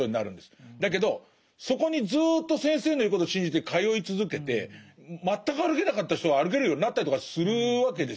だけどそこにずっと先生の言うことを信じて通い続けて全く歩けなかった人が歩けるようになったりとかするわけですよ。